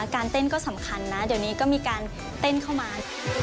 เต้นก็สำคัญนะเดี๋ยวนี้ก็มีการเต้นเข้ามา